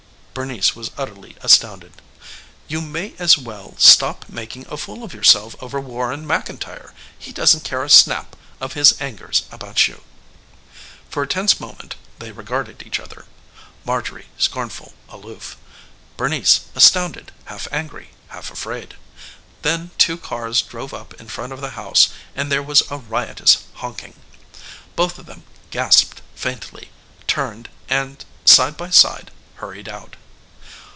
Bernice was utterly astounded. "You may as well stop making a fool of yourself over Warren McIntyre. He doesn't care a snap of his fingers about you." For a tense moment they regarded each other Marjorie scornful, aloof; Bernice astounded, half angry, half afraid. Then two cars drove up in front of the house and there was a riotous honking. Both of them gasped faintly, turned, and side by side hurried out.